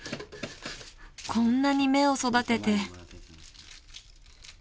［こんなに芽を育てて］